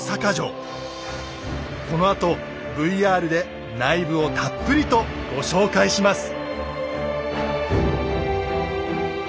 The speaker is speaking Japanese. このあとＶＲで内部をたっぷりとご紹介します。